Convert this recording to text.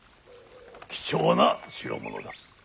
貴重な代物だ。